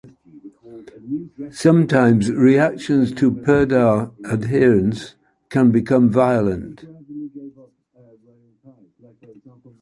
Sometimes reactions to purdah adherence can become violent.